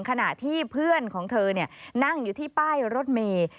ขณะที่เพื่อนของเธอนั่งอยู่ที่ป้ายรถเมย์